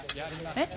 えっ？